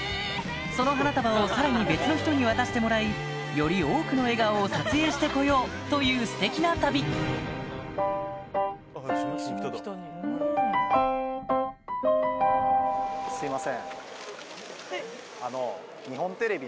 その花束をさらに別の人に渡してもらいより多くの笑顔を撮影して来ようというステキな旅ありがとうございます。